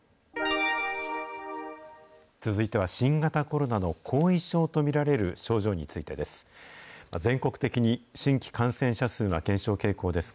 続いては新型コロナの後遺症と見られる症状についてです。